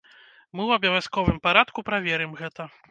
Мы ў абавязковым парадку праверым гэта.